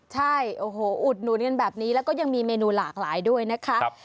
ใช่โอ้โหอุดหนุนกันแบบนี้แล้วก็ยังมีเมนูหลากหลายด้วยนะคะ